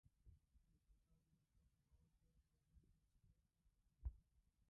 او د سلطان مير اکا په باور د تيمم په وسيله يې پاکه کړو.